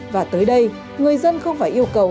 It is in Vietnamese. và tới đây người dân không phải yêu cầu